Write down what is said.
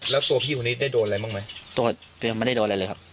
แล้วตัวพี่คนนี้ได้โดนอะไรบ้างไหมไม่ได้โดนอะไรเลยครับ